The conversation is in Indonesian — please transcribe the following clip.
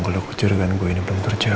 kalau kejurgaan gue ini belum terjawab